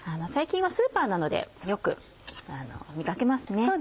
最近はスーパーなどでよく見掛けますね。